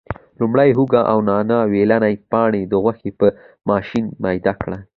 لومړی هوګه او نانا ویلني پاڼې د غوښې په ماشین میده کړي.